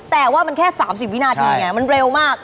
แต่ว่ามันแค่๓๐วินาทีไงมันเร็วมาก